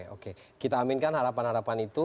oke kita aminkan harapan harapan itu